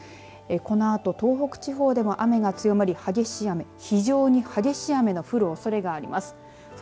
このあと東北地方でも雨が強まり激しい雨非常に激しい雨の降るおそれがあります。